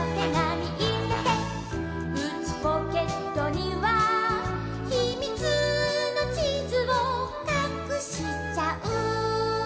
「うちポケットにはひみつのちずをかくしちゃう」